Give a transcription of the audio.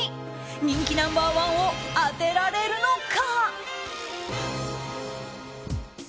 人気ナンバー１を当てられるのか。